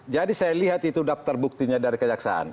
jadi saya lihat itu daftar buktinya dari kejaksaan